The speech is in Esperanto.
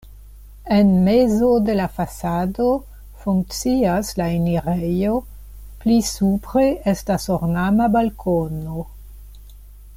En mezo de la fasado funkcias la enirejo, pli supre estas ornama balkono.